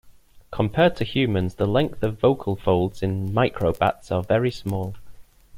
Compared to humans, the length of vocal folds in microbats are very small.